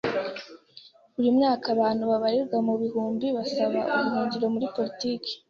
Buri mwaka abantu babarirwa mu bihumbi basaba ubuhungiro muri politiki.